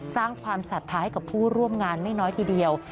สร้างความศรัทธาให้กับผู้ร่วมงานไม่น้อยทีเดียว